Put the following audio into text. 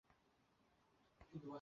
অতএব এই সিদ্ধান্তই বহাল হল।